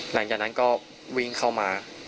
หลังจากนั้นก็วิ่งเข้ามา